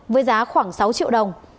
với giá khoảng sáu triệu đồng